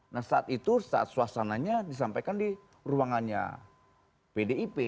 nah saat itu saat suasananya disampaikan di ruangannya pdip